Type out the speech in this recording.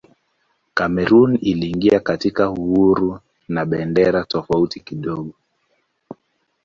Kamerun iliingia katika uhuru na bendera tofauti kidogo.